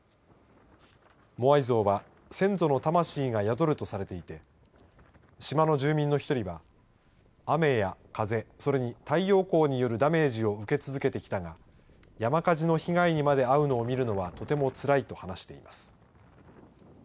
モアイ像は先祖の魂が宿るとされていて島の住民の１人は雨や風それに太陽光によるダメージを受け続けてきたが山火事の被害にまで遭うのを見るのはとてもつらいと話しています。